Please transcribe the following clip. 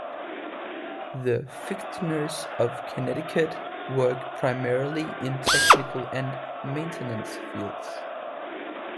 The Fichtners of Connecticut work primarily in technical and maintenance fields.